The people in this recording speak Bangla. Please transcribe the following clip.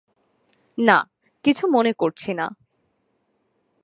না, কিছু মনে করছি না।